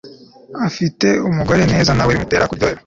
afite umugore neza nawe bimutere ku ryoherwa